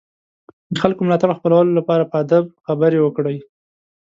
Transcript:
د خلکو ملاتړ خپلولو لپاره په ادب خبرې وکړئ.